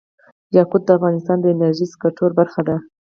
یاقوت د افغانستان د انرژۍ سکتور برخه ده.